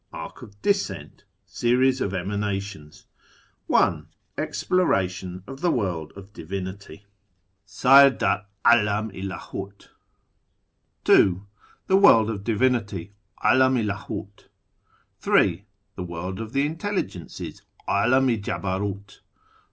Arc of Descent. Series of Emanations. 1. Exploration of the World of Divinity (Seyr deer ''ulam i Ldhruy 2. Tlie World of Divinity (^A lam i LuliM)} 3. The World of the In telligences {'Alam i JabarfU).